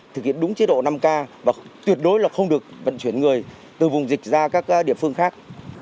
thực hiện đúng chế độ năm k và tuyệt đối là không được vận chuyển người từ vùng dịch ra các địa phương khác